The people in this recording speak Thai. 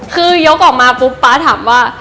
คือยกออกมาปุ๊บป๊าถามว่า